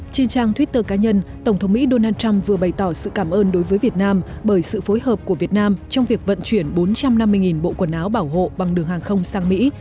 trên trang twitter cá nhân tổng thống mỹ donald trump vừa bày tỏ sự cảm ơn đối với việt nam bởi sự phối hợp của việt nam trong việc vận chuyển bốn trăm năm mươi bộ quần áo bảo hộ bằng đường hàng không sang mỹ